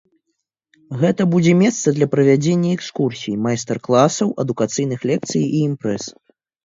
Гэта будзе месца для правядзення экскурсій, майстар-класаў, адукацыйных лекцый і імпрэз.